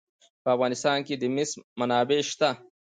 په افغانستان کې د مس منابع شته.